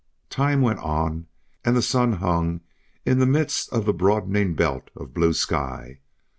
Time went on and the sun hung in the midst of the broadening belt of blue sky.